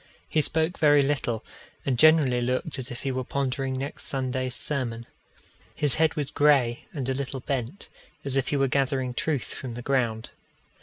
He spoke very little, and generally looked as if he were pondering next Sunday's sermon. His head was grey, and a little bent, as if he were gathering truth from the ground.